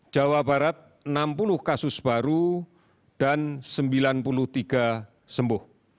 jawa barat enam puluh kasus baru dan sembilan puluh tiga sembuh